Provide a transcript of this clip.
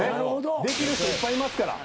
できる人いっぱいいますから。